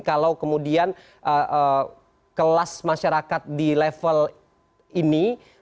kalau kemudian kelas masyarakat di level ini